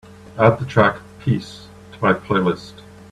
Add the track peace to my playlist